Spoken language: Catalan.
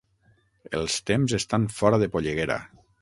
Els temps estan fora de polleguera